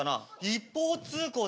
一方通行だね。